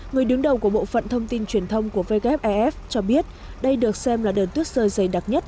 người đứng đầu của bộ phận thông tin truyền thông của wef cho biết đây được xem là đợt tuyết rơi dày đặc nhất